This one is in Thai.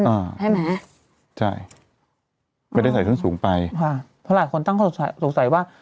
อ่าใช่ไหมใช่ไม่ได้ใส่ส้นสูงไปค่ะเพราะหลายคนตั้งสงสัยสงสัยว่า